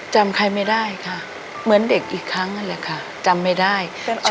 จำใครไม่ได้ค่ะเหมือนเด็กอีกครั้งนั่นแหละค่ะจำไม่ได้